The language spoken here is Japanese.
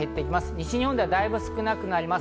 西日本ではだいぶ少なくなります。